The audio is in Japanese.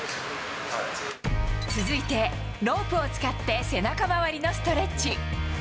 続いて、ロープを使って背中周りのストレッチ。